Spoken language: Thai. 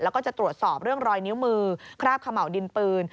แล้วก็จะตรวจสอบเรื่องรอยนิ้วมือคราบเขม่าวดินปืน